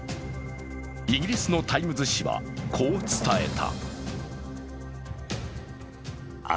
イギリスの「タイムズ」紙はこう伝えた。